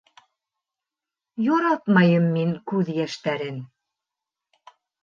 Яратмайым мин күҙ йәштәрен.